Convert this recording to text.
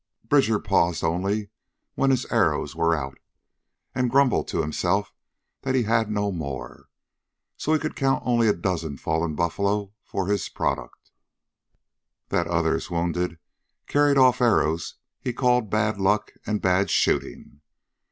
Bridger paused only when his arrows were out, and grumbled to himself that he had no more, so could count only a dozen fallen buffalo for his product. That others, wounded, carried off arrows, he called bad luck and bad shooting.